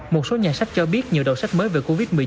một số nhà sách cho biết nhiều đầu sách mới về covid một mươi chín